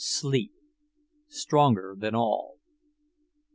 sleep, stronger than all.